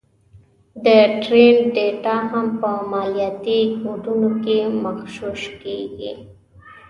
د ټرینډ ډېټا هم په مالياتي کوډونو کې مغشوش کېږي